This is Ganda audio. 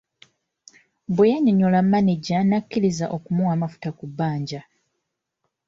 Bwe yannyonnyola mmaneja n’akkirirza okumuwa amafuta ku bbanja.